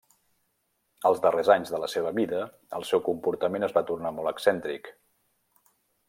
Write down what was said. Els darrers anys de la seva vida el seu comportament es va tornar molt excèntric.